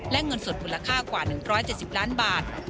และเงินสดมูลค่ากว่า๑๗๐ล้านบาท